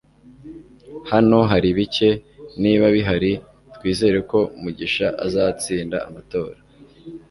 hano hari bike, niba bihari, twizere ko mugisha azatsinda amatora